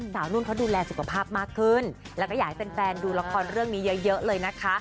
นุ่นเขาดูแลสุขภาพมากขึ้นแล้วก็อยากให้แฟนดูละครเรื่องนี้เยอะเลยนะคะ